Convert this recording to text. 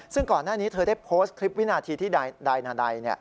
ซึ่งก่อนหน้านี้เธอได้โพสต์คลิปวินาทีที่นายนาได